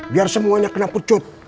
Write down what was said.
biar semuanya kena pecut